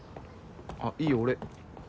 あっいいよ俺。